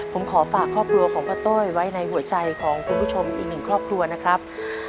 ผมขอฝากครอบครัวของพ่อโต้ยไว้ในหัวใจของคุณผู้ชมอีกหนึ่งครอบครัวนะครับ